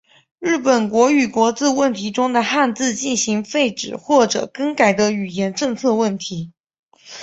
日本国语国字问题中的汉字进行废止或者更改的语言政策问题。